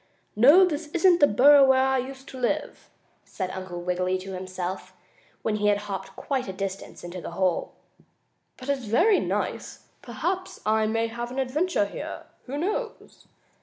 "No, this isn't the burrow where I used to live," said Uncle Wiggily to himself, when he had hopped quite a distance into the hole. "But it's very nice. Perhaps I may have an adventure here. Who knows?"